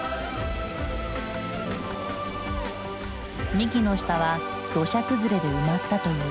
幹の下は土砂崩れで埋まったという。